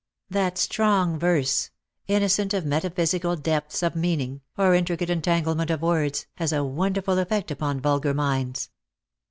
That strong verse — innocent of metaphysical depths of meaning, or intricate entanglement of words — has a wonderful effect upon vulgar minds.